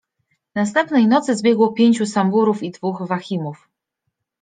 Następnej nocy zbiegło pięciu Samburów i dwóch Wahimów.